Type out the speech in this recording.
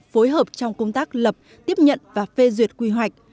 phối hợp trong công tác lập tiếp nhận và phê duyệt quy hoạch